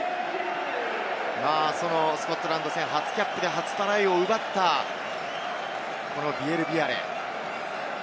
スコットランド戦、初キャップで初トライを奪ったビエル＝ビアレ。